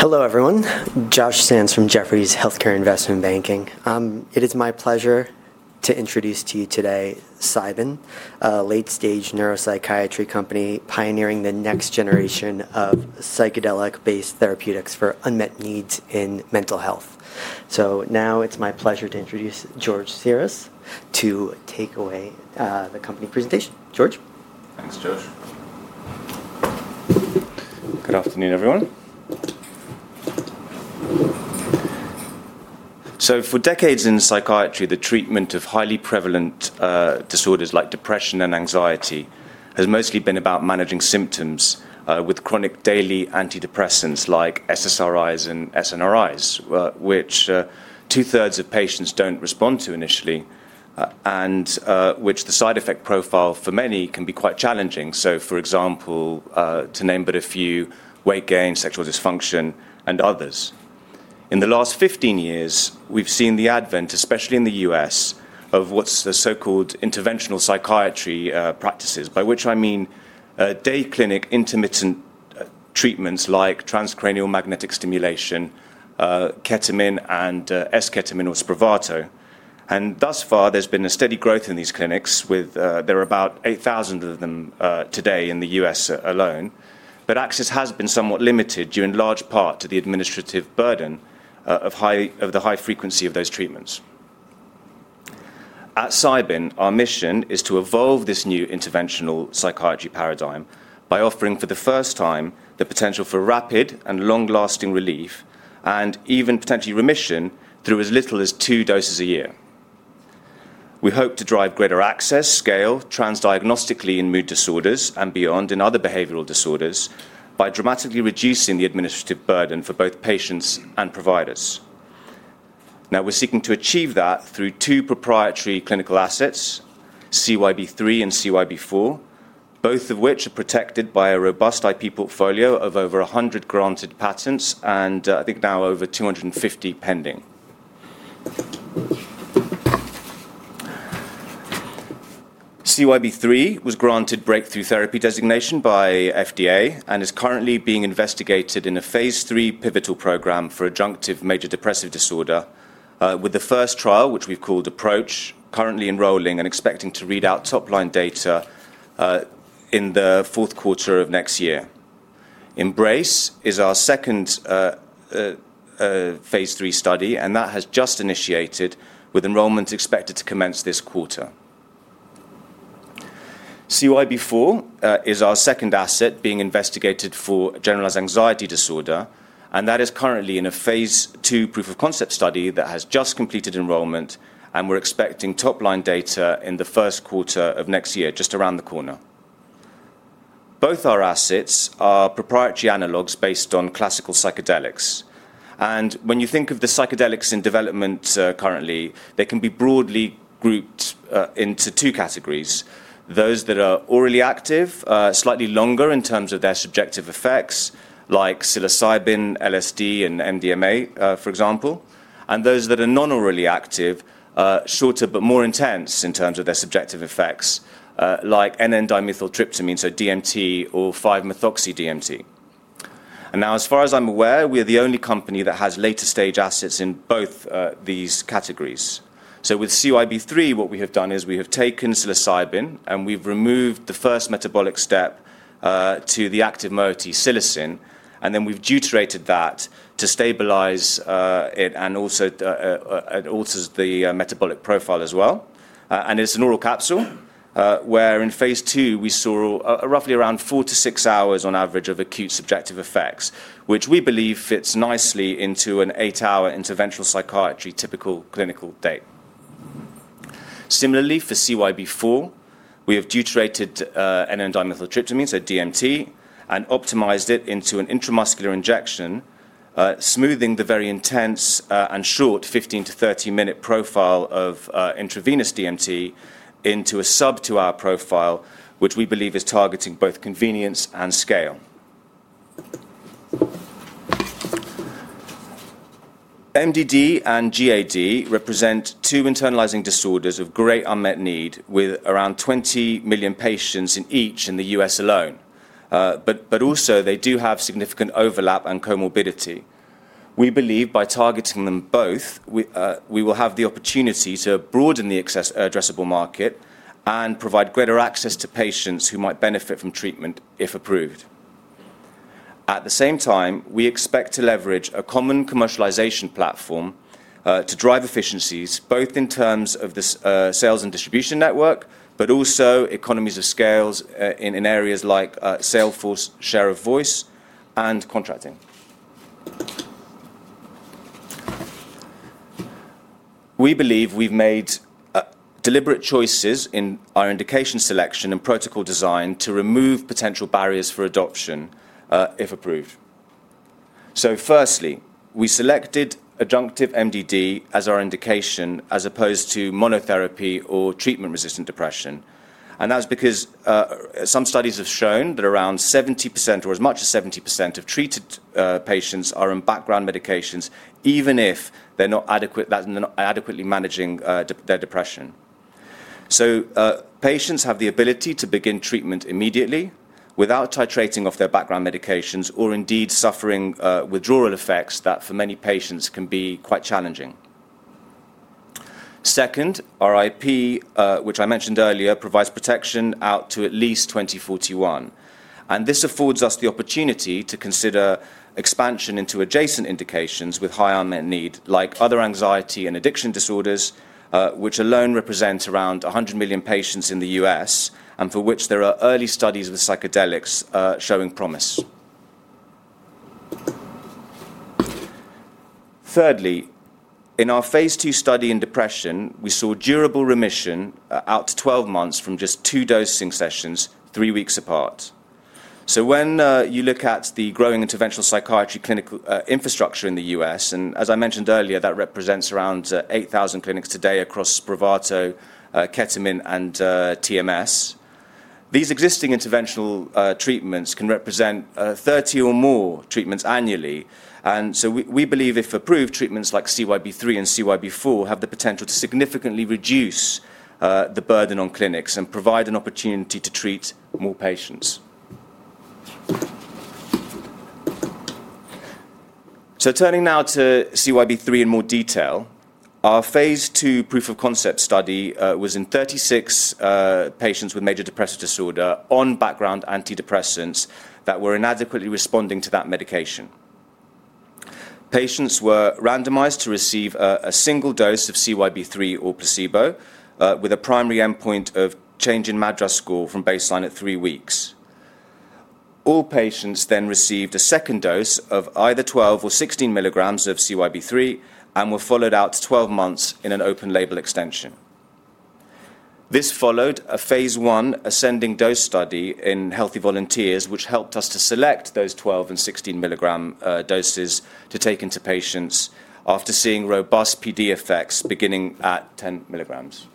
Hello, everyone. Josh Sands from Jefferies Healthcare Investment Banking. It is my pleasure to introduce to you today Cybin, a late-stage neuropsychiatry company pioneering the next generation of psychedelic-based therapeutics for unmet needs in mental health. Now it's my pleasure to introduce George Tziras to take away the company presentation. George. Thanks, Josh. Good afternoon, everyone. For decades in psychiatry, the treatment of highly prevalent disorders like depression and anxiety has mostly been about managing symptoms with chronic daily antidepressants like SSRIs and SNRIs, which two-thirds of patients do not respond to initially, and which the side effect profile for many can be quite challenging. For example, to name but a few, weight gain, sexual dysfunction, and others. In the last 15 years, we have seen the advent, especially in the U.S., of what is the so-called Interventional Psychiatry practices, by which I mean day clinic intermittent treatments like transcranial magnetic stimulation, ketamine, and esketamine or Spravato. Thus far, there has been a steady growth in these clinics, with there are about 8,000 of them today in the U.S. alone. Access has been somewhat limited due in large part to the administrative burden of the high frequency of those treatments. At Cybin, our mission is to evolve this new interventional psychiatry paradigm by offering for the first time the potential for rapid and long-lasting relief, and even potentially remission, through as little as two doses a year. We hope to drive greater access, scale, transdiagnostically in mood disorders and beyond in other behavioral disorders by dramatically reducing the administrative burden for both patients and providers. Now, we're seeking to achieve that through two proprietary clinical assets, CYB003 and CYB004, both of which are protected by a robust IP portfolio of over 100 granted patents, and I think now over 250 pending. CYB003 was granted breakthrough therapy designation by FDA and is currently being investigated in a Phase 3 pivotal program for adjunctive Major Depressive Disorder, with the first trial, which we've called APPROACH, currently enrolling and expecting to read out top-line data in the fourth quarter of next year. EMBRACE is our second phase 3 study, and that has just initiated, with enrollment expected to commence this quarter. CYB004 is our second asset being investigated for Generalized Anxiety Disorder, and that is currently in a phase 2 proof of concept study that has just completed enrollment, and we're expecting top-line data in the first quarter of next year, just around the corner. Both our assets are proprietary analogs based on classical psychedelics. When you think of the psychedelics in development currently, they can be broadly grouped into two categories: those that are orally active, slightly longer in terms of their subjective effects, like psilocybin, LSD, and MDMA, for example, and those that are non-orally active, shorter but more intense in terms of their subjective effects, like N,N-dimethyltryptamine, so DMT, or 5-Methoxy-DMT. As far as I'm aware, we are the only company that has later-stage assets in both these categories. With CYB003, what we have done is we have taken psilocybin, and we've removed the first metabolic step to the active moiety, psilocin, and then we've deuterated that to stabilize it and also alter the metabolic profile as well. It's an oral capsule where in Phase 2 we saw roughly around four- to six hours on average of acute subjective effects, which we believe fits nicely into an eight-hour interventional psychiatry typical clinical day. Similarly, for CYB004, we have deuterated N,N-dimethyltryptamine, so DMT, and optimized it into an intramuscular injection, smoothing the very intense and short 15- to 30-minute profile of intravenous DMT into a sub-two-hour profile, which we believe is targeting both convenience and scale. MDD and GAD represent two internalizing disorders of great unmet need with around 20 million patients in each in the U.S. alone, but also they do have significant overlap and comorbidity. We believe by targeting them both, we will have the opportunity to broaden the access addressable market and provide greater access to patients who might benefit from treatment if approved. At the same time, we expect to leverage a common commercialization platform to drive efficiencies both in terms of the sales and distribution network, but also economies of scale in areas like salesforce share of voice and contracting. We believe we've made deliberate choices in our indication selection and protocol design to remove potential barriers for adoption if approved. Firstly, we selected adjunctive MDD as our indication as opposed to monotherapy or treatment-resistant depression. That is because some studies have shown that around 70% or as much as 70% of treated patients are on background medications, even if they are not adequately managing their depression. Patients have the ability to begin treatment immediately without titrating off their background medications or indeed suffering withdrawal effects that for many patients can be quite challenging. Second, our IP, which I mentioned earlier, provides protection out to at least 2041. This affords us the opportunity to consider expansion into adjacent indications with high unmet need, like other anxiety and addiction disorders, which alone represent around 100 million patients in the U.S., and for which there are early studies with psychedelics showing promise. Thirdly, in our phase two study in depression, we saw durable remission out to 12 months from just two dosing sessions three weeks apart. When you look at the growing interventional psychiatry clinical infrastructure in the U.S., and as I mentioned earlier, that represents around 8,000 clinics today across Spravato, ketamine, and TMS, these existing interventional treatments can represent 30 or more treatments annually. We believe if approved, treatments like CYB003 and CYB004 have the potential to significantly reduce the burden on clinics and provide an opportunity to treat more patients. Turning now to CYB003 in more detail, our Phase 2 proof-of-concept study was in 36 patients with Major Depressive Disorder on background antidepressants that were inadequately responding to that medication. Patients were randomized to receive a single dose of CYB003 or placebo with a primary endpoint of change in MADRS score from baseline at three weeks. All patients then received a second dose of either 12 or 16 milligrams of CYB003 and were followed out 12 months in an open label extension. This followed a phase one ascending dose study in healthy volunteers, which helped us to select those 12 and 16 milligram doses to take into patients after seeing robust PD effects beginning at 10 milligrams.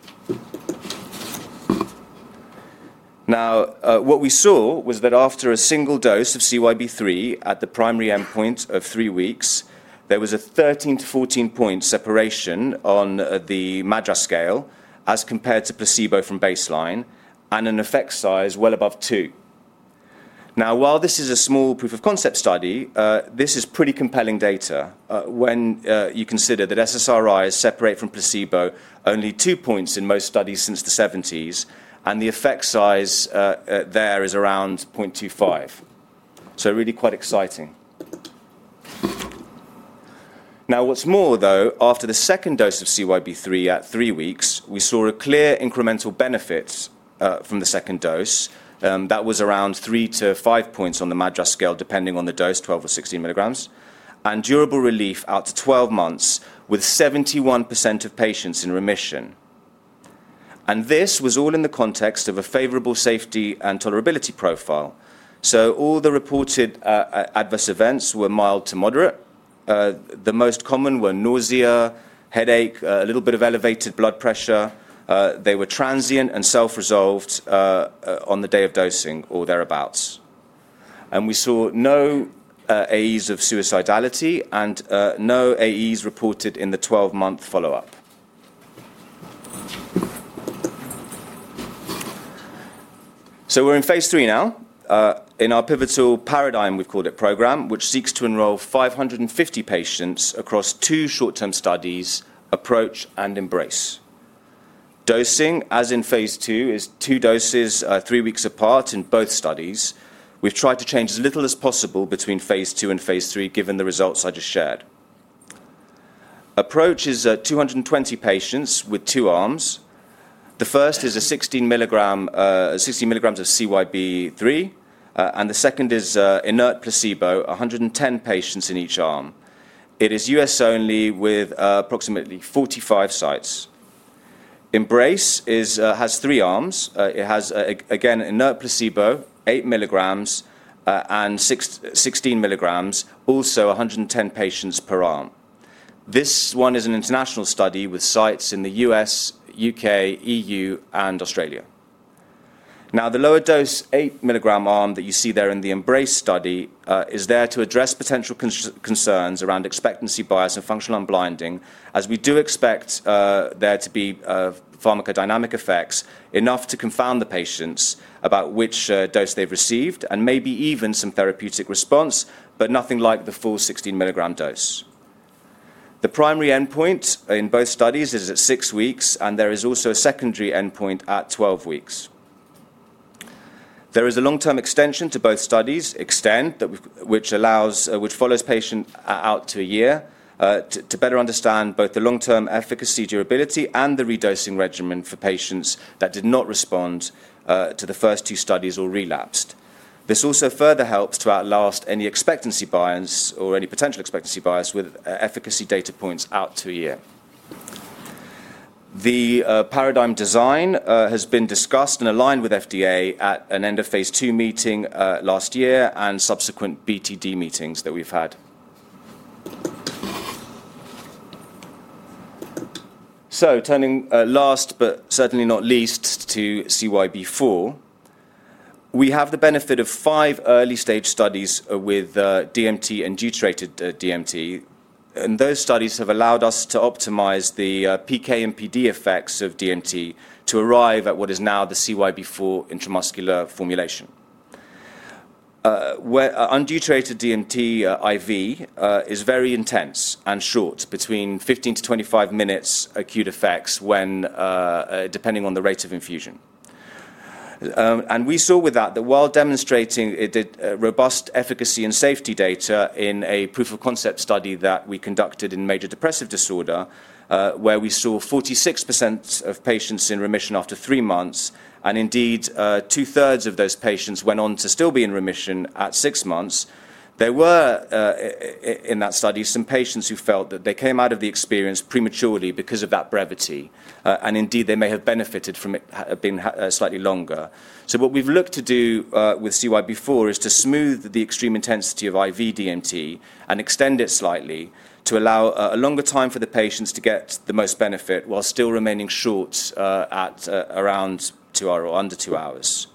Now, what we saw was that after a single dose of CYB003 at the primary endpoint of three weeks, there was a 13-14 point separation on the MADRS scale as compared to placebo from baseline and an effect size well above two. Now, while this is a small proof of concept study, this is pretty compelling data when you consider that SSRIs separate from placebo only two points in most studies since the 1970s, and the effect size there is around 0.25. Really quite exciting. Now, what's more, though, after the second dose of CYB003 at three weeks, we saw a clear incremental benefit from the second dose that was around three to five points on the MADRS scale depending on the dose, 12 or 16 milligrams, and durable relief out to 12 months with 71% of patients in remission. This was all in the context of a favorable safety and tolerability profile. All the reported adverse events were mild to moderate. The most common were nausea, headache, a little bit of elevated blood pressure. They were transient and self-resolved on the day of dosing or thereabouts. We saw no AEs of suicidality and no AEs reported in the 12-month follow-up. We are in Phase 3 now in our pivotal PARADIGM program, which seeks to enroll 550 patients across two short-term studies, APPROACH and EMBRACE. Dosing, as in Phase 2 is two doses three weeks apart in both studies. We've tried to change as little as possible between phase two and Phase 3 given the results I just shared. APPROACH is 220 patients with two arms. The first is 16 milligrams of CYB003, and the second is inert placebo, 110 patients in each arm. It is U.S. only with approximately 45 sites. EMBRACE has three arms. It has, again, inert placebo, 8 milligrams, and 16 milligrams, also 110 patients per arm. This one is an international study with sites in the U.S., U.K., EU, and Australia. Now, the lower dose 8 milligram arm that you see there in the EMBRACE study is there to address potential concerns around expectancy bias and functional unblinding, as we do expect there to be pharmacodynamic effects enough to confound the patients about which dose they've received and maybe even some therapeutic response, but nothing like the full 16 milligram dose. The primary endpoint in both studies is at six weeks, and there is also a secondary endpoint at 12 weeks. There is a long-term extension to both studies, EXTEND, which follows patients out to a year to better understand both the long-term efficacy, durability, and the redosing regimen for patients that did not respond to the first two studies or relapsed. This also further helps to outlast any expectancy bias or any potential expectancy bias with efficacy data points out to a year. The PARADIGM design has been discussed and aligned with FDA at an end of phase two meeting last year and subsequent BTD meetings that we've had. Turning last but certainly not least to CYB004, we have the benefit of five early-stage studies with DMT and deuterated DMT. Those studies have allowed us to optimize the PK and PD effects of DMT to arrive at what is now the CYB004 intramuscular formulation. Undeuterated DMT IV is very intense and short, between 15-25 minutes acute effects depending on the rate of infusion. We saw with that that while demonstrating robust efficacy and safety data in a proof of concept study that we conducted in Major Depressive Disorder, where we saw 46% of patients in remission after three months, and indeed two-thirds of those patients went on to still be in remission at six months, there were in that study some patients who felt that they came out of the experience prematurely because of that brevity. Indeed, they may have benefited from it being slightly longer. What we have looked to do with CYB004 is to smooth the extreme intensity of IV DMT and extend it slightly to allow a longer time for the patients to get the most benefit while still remaining short at around two hours or under two hours.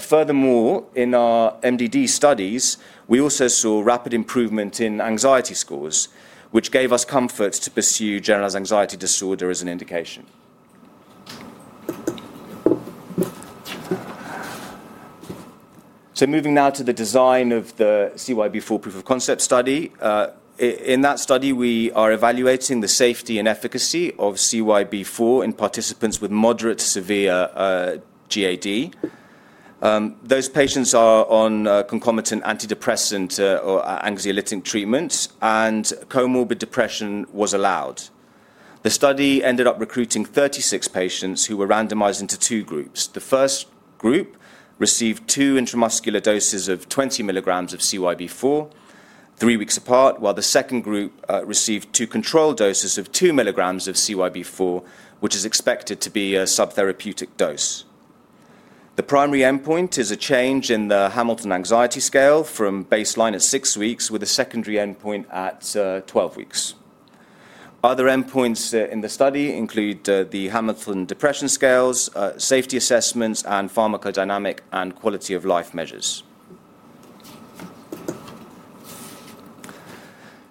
Furthermore, in our MDD studies, we also saw rapid improvement in anxiety scores, which gave us comfort to pursue Generalized Anxiety Disorder as an indication. Moving now to the design of the CYB004 proof of concept study. In that study, we are evaluating the safety and efficacy of CYB004 in participants with moderate to severe GAD. Those patients are on concomitant antidepressant or anxiolytic treatments, and comorbid depression was allowed. The study ended up recruiting 36 patients who were randomized into two groups. The first group received two intramuscular doses of 20 milligrams of CYB004 three weeks apart, while the second group received two control doses of 2 milligrams of CYB004, which is expected to be a subtherapeutic dose. The primary endpoint is a change in the Hamilton Anxiety Scale from baseline at six weeks with a secondary endpoint at 12 weeks. Other endpoints in the study include the Hamilton depression scales, safety assessments, and pharmacodynamic and quality of life measures.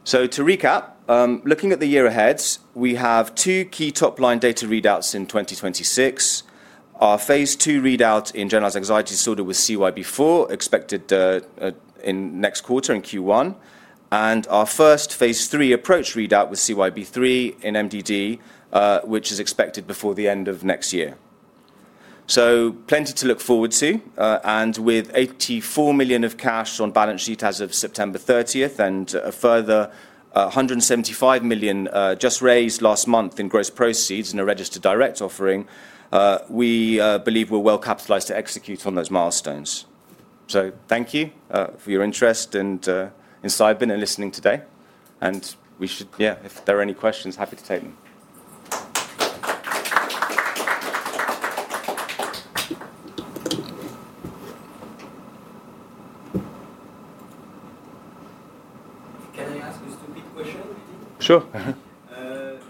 To recap, looking at the year ahead, we have two key top-line data readouts in 2026. Our phase two readout in Generalized Anxiety Disorder with CYB004 expected next quarter in Q1, and our first Phase 3 APPROACH readout with CYB003 in MDD, which is expected before the end of next year. Plenty to look forward to. With $84 million of cash on balance sheet as of September 30 and a further $175 million just raised last month in gross proceeds in a registered direct offering, we believe we're well capitalized to execute on those milestones. Thank you for your interest and insight in listening today. If there are any questions, happy to take them. Can I ask you a stupid question? Sure.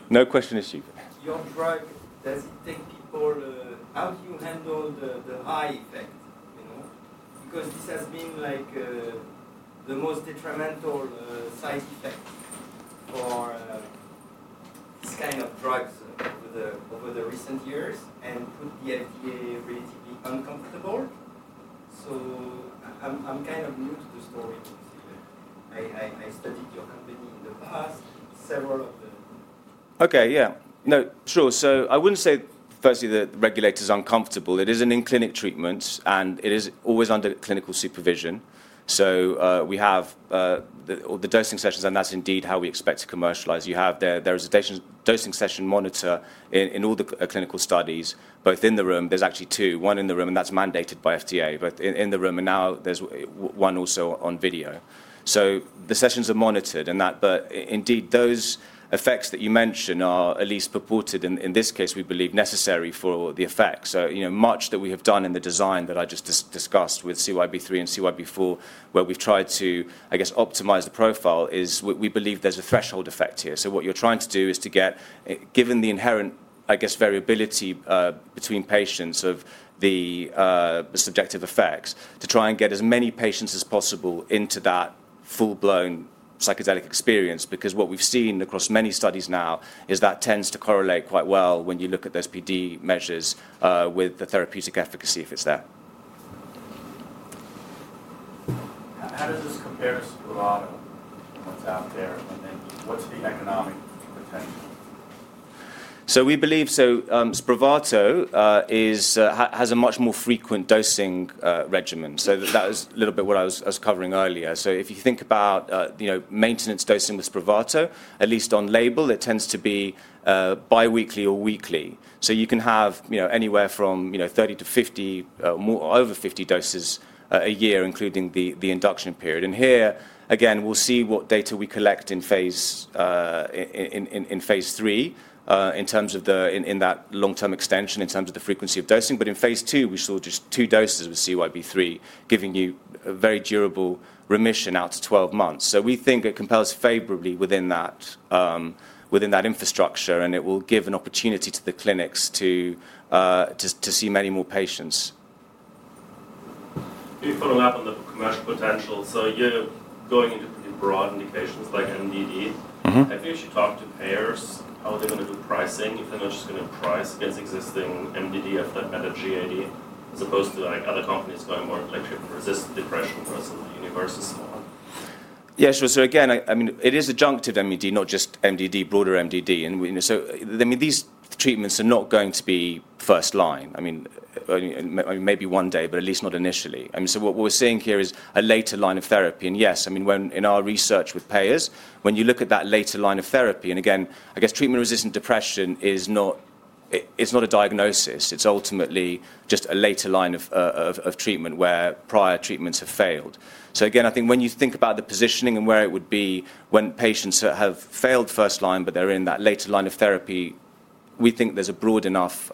No question is stupid. Your drug, does it take people? How do you handle the high effect? Because this has been the most detrimental side effect for this kind of drugs over the recent years and put the FDA relatively uncomfortable. I'm kind of new to the story. I studied your company in the past, several of the. Okay. Yeah. No, sure. I would not say, firstly, that the regulator is uncomfortable. It is an in-clinic treatment, and it is always under clinical supervision. We have the dosing sessions, and that is indeed how we expect to commercialize. You have the dosing session monitor in all the clinical studies, both in the room. There are actually two, one in the room, and that is mandated by FDA, both in the room, and now there is one also on video. The sessions are monitored, but indeed, those effects that you mention are at least purported, in this case, we believe, necessary for the effect. So much that we have done in the design that I just discussed with CYB003 and CYB004, where we have tried to, I guess, optimize the profile, is we believe there is a threshold effect here. What you're trying to do is to get, given the inherent, I guess, variability between patients of the subjective effects, to try and get as many patients as possible into that full-blown psychedelic experience. Because what we've seen across many studies now is that tends to correlate quite well when you look at those PD measures with the therapeutic efficacy if it's there. How does this compare to Spravato and what's out there, and then what's the economic potential? We believe Spravato has a much more frequent dosing regimen. That was a little bit what I was covering earlier. If you think about maintenance dosing with Spravato, at least on label, it tends to be biweekly or weekly. You can have anywhere from 30-50, over 50 doses a year, including the induction period. Here, again, we will see what data we collect in Phase 3 in terms of that long-term extension, in terms of the frequency of dosing. In Phase 2 we saw just two doses with CYB003, giving you a very durable remission out to 12 months. We think it compels favorably within that infrastructure, and it will give an opportunity to the clinics to see many more patients. If you follow up on the commercial potential, so you're going into pretty broad indications like MDD. I think you should talk to payers, how they're going to do pricing, if they're not just going to price against existing MDD, FDA-metered GAD, as opposed to other companies going more into resistant depression versus the universe and so on. Yeah, sure. Again, I mean, it is adjunctive MDD, not just MDD, broader MDD. I mean, these treatments are not going to be first line. I mean, maybe one day, but at least not initially. I mean, what we're seeing here is a later line of therapy. Yes, in our research with payers, when you look at that later line of therapy, and again, I guess treatment-resistant depression is not a diagnosis. It is ultimately just a later line of treatment where prior treatments have failed. Again, I think when you think about the positioning and where it would be when patients have failed first line, but they're in that later line of therapy, we think there's a broad enough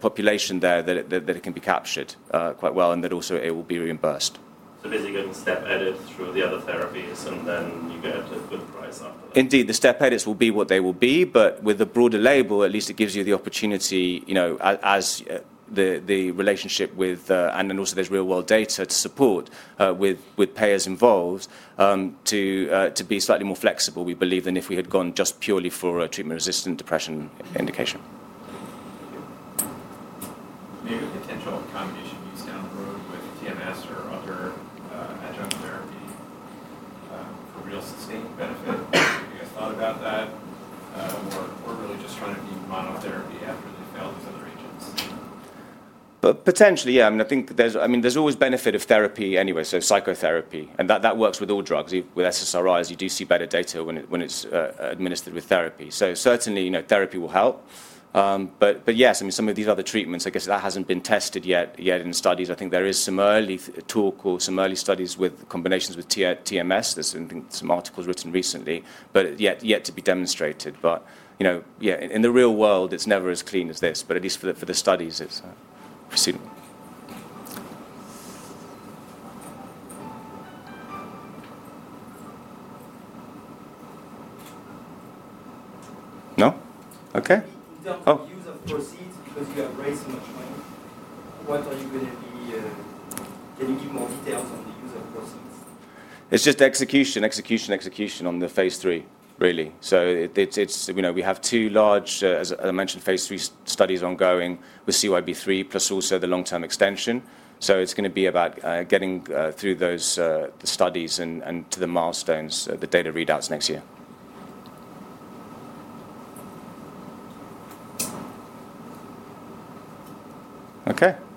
population there that it can be captured quite well and that also it will be reimbursed. Basically getting step edit through the other therapies, and then you get a good price after that. Indeed, the step edit will be what they will be, but with a broader label, at least it gives you the opportunity, as the relationship with, and then also there's real-world data to support with payers involved, to be slightly more flexible, we believe, than if we had gone just purely for a treatment-resistant depression indication. Maybe potential combination use down the road with TMS or other adjunct therapy for real sustained benefit. Have you guys thought about that, or we're really just trying to be monotherapy after they fail these other agents? Potentially, yeah. I mean, I think there's always benefit of therapy anyway, so psychotherapy. And that works with all drugs. With SSRIs, you do see better data when it's administered with therapy. So certainly, therapy will help. But yes, I mean, some of these other treatments, I guess that hasn't been tested yet in studies. I think there is some early talk or some early studies with combinations with TMS. There's some articles written recently, but yet to be demonstrated. But yeah, in the real world, it's never as clean as this, but at least for the studies, it's proceeding. No? Okay. The use of proceeds because you are raising much money. What are you going to be? Can you give more details on the use of proceeds? It's just execution, execution, execution on the Phase 3, really. We have two large, as I mentioned, Phase 3 studies ongoing with CYB003, plus also the long-term extension. It's going to be about getting through those studies and to the milestones, the data readouts next year. Okay. Thank you.